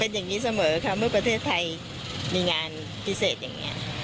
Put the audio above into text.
อย่างนี้เสมอค่ะเมื่อประเทศไทยมีงานพิเศษอย่างนี้